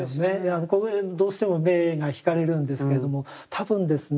ここでどうしても目が引かれるんですけれども多分ですね